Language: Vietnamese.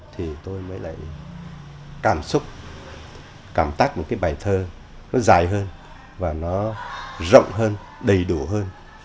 thì tôi mới lại cảm xúc cảm tác một cái bài thơ nó dài hơn và nó rộng hơn đầy đủ hơn